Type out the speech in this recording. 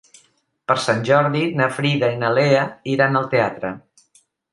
Per Sant Jordi na Frida i na Lea iran al teatre.